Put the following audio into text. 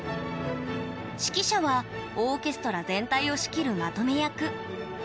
指揮者はオーケストラ全体を仕切る、まとめ役。